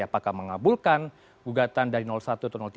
apakah mengabulkan gugatan dari satu atau tiga